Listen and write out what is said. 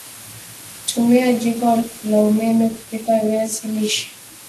Tumia jiko la umeme kupika viazi lishe